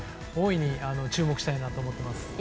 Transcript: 大いに注目したいなと思っています。